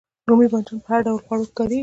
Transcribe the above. رومی بانجان په هر ډول خوړو کې کاریږي